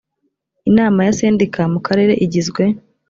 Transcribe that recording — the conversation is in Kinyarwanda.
inama ya sendika mu karere igizwe